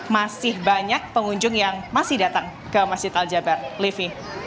masih banyak pengunjung yang masih datang ke masjid al jabar livi